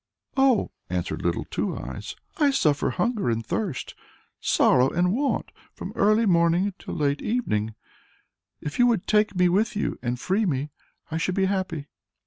"Oh," answered Little Two Eyes, "I suffer hunger and thirst, sorrow and want, from early morning till late evening; if you would take me with you and free me, I should be happy."